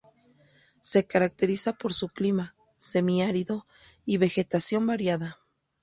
Se caracteriza por su clima semiárido, y vegetación variada.